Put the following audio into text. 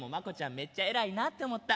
めっちゃ偉いなって思った。